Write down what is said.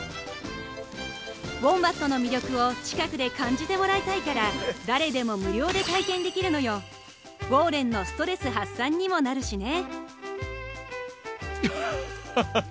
ウォンバットの魅力を近くで感じてもらいたいから誰でも無料で体験できるのよウォーレンのストレス発散にもなるしね